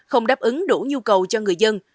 không đáp ứng đủ nhu cầu cho người dân